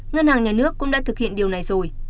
ngân hàng nhà nước cũng đã thực hiện điều này rồi